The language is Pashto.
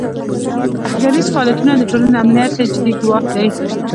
ترهګریز فعالیتونه د ټولنې امنیت ته جدي ګواښ دی.